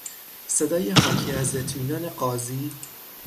صدای حاکی از اطمینان قاضی